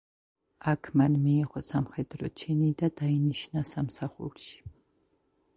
აქ მან მიიღო სამხედრო ჩინი და დაინიშნა სამსახურში.